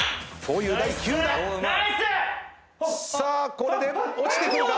これで落ちてくるか？